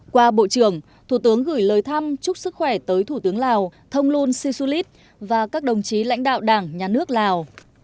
qua bộ trưởng thủ tướng gửi lời thăm chúc sức khỏe tới thủ tướng lào thông luân si su lít và các đồng chí lãnh đạo đảng nhà nước lào